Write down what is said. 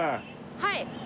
はい。